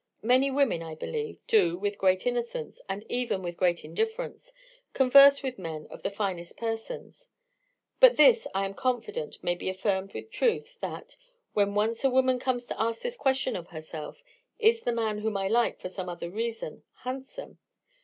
Many women, I believe, do, with great innocence, and even with great indifference, converse with men of the finest persons; but this I am confident may be affirmed with truth, that, when once a woman comes to ask this question of herself, Is the man whom I like for some other reason, handsome?